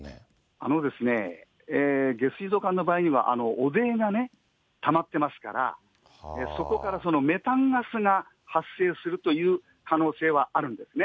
あのですね、下水道管の場合には汚泥がね、たまってますから、そこからメタンガスが発生するという可能性はあるんですね。